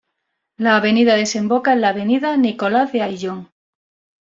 La avenida desemboca en la Avenida Nicolás de Ayllón.